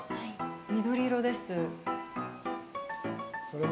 緑色です。